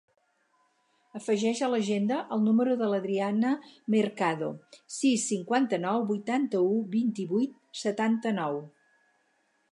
Afegeix a l'agenda el número de l'Adriana Mercado: sis, cinquanta-nou, vuitanta-u, vint-i-vuit, setanta-nou.